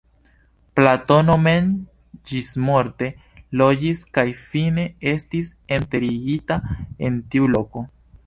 Platono mem ĝismorte loĝis kaj fine estis enterigita en tiu loko.